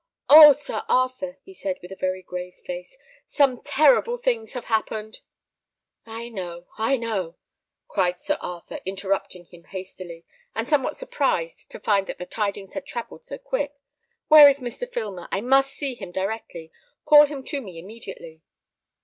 "Oh! Sir Arthur!" he said, with a very grave face, "some terrible things have happened " "I know I know," cried Sir Arthur, interrupting him hastily, and somewhat surprised to find that the tidings had travelled so quick. "Where is Mr. Filmer? I must see him directly. Call him to me immediately."